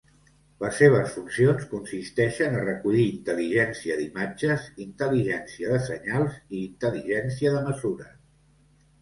Les seves funcions consisteixen a recollir intel·ligència d'imatges, intel·ligència de senyals i intel·ligència de mesures.